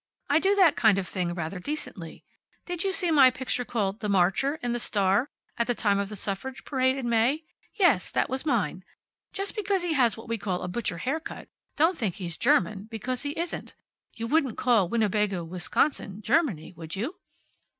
I do that kind of thing rather decently. Did you see my picture called `The Marcher,' in the Star, at the time of the suffrage parade in May? Yes, that was mine. Just because he has what we call a butcher haircut, don't think he's German, because he isn't. You wouldn't call Winnebago, Wisconsin, Germany, would you?"